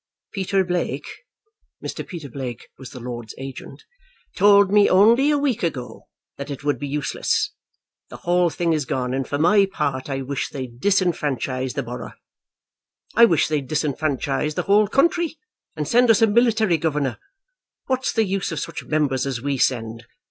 Peter Blake" Mr. Peter Blake was the lord's agent "told me only a week ago that it would be useless. The whole thing is gone, and for my part I wish they'd disenfranchise the borough. I wish they'd disenfranchise the whole country, and send us a military governor. What's the use of such members as we send?